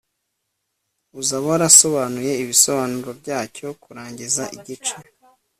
uzaba warasobanuye ibisobanuro byacyo kurangiza igice